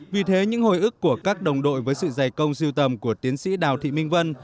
vì thế những hồi ức của các đồng đội với sự giày công siêu tầm của tiến sĩ đào thị minh vân